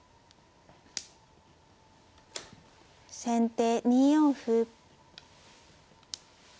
先手２四歩。